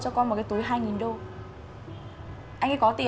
thì con có thể tối nay xách vali